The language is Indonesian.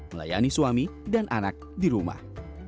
melayani suami dan anak di rumah